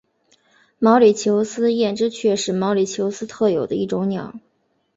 毛里求斯艳织雀是毛里求斯特有的一种鸟。